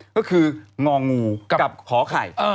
ก็คืององูกับหอไข่